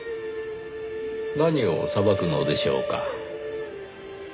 何を裁くのでしょうか？